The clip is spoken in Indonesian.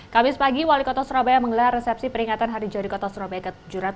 kamis pagi wali kota surabaya mengelar resepsi peringatan hari jari kota surabaya ke tujuh ratus dua puluh lima